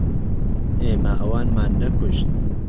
ئێمە ئەوانمان نەکوشت.